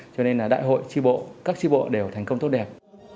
cho nên là đại hội chi bộ các chi bộ đều thành công tốt đẹp